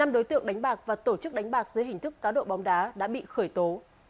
năm đối tượng đánh bạc và tổ chức đánh bạc dưới hình thức cá độ bóng đá đã bị khởi tố